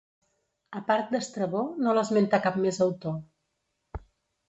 A part d'Estrabó no l'esmenta cap més autor.